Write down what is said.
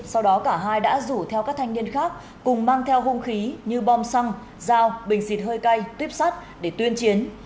sau đó cả hai đã rủ theo các thanh niên khác cùng mang theo hung khí như bom xăng dao bình xịt hơi cay tuyếp sắt để tuyên chiến